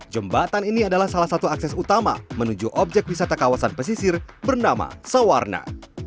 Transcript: jembatan ini adalah salah satu akses utama menuju objek wisata kawasan pesisir bernama sawarna